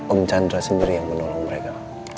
om chandra sendiri yang menolong mereka